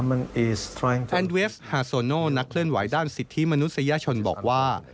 แอนเวฟฮาโซโนนักเคลื่อนไหวด้านสิทธิมนุษยชนบอกว่า